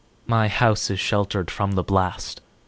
My house is sheltered from the blast.